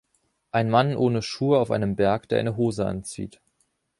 Ein Mann ohne Schuhe auf einem Berg, der eine Hose anzieht.